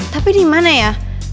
tapi dimana ya